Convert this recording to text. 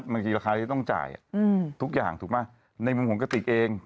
มันมีราคาที่ต้องจ่ายอืมทุกอย่างถูกไหมในมุมของกติกเอง